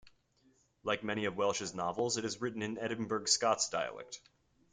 Like many of Welsh's novels, it is written in Edinburgh Scots dialect.